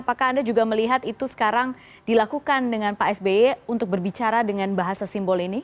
apakah anda juga melihat itu sekarang dilakukan dengan pak sby untuk berbicara dengan bahasa simbol ini